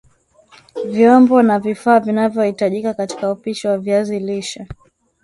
Vyombo na vifaa vinavyohitajika katika upishi wa viazi lishe